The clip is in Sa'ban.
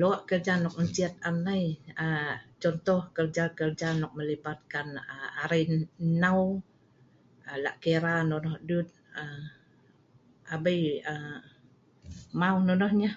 Loe' kerja nok ncet an ai. um contoh kerja kerja nok melibatkan um arai nnau la' kira nonoh dduet um abei um nonoh nyeh.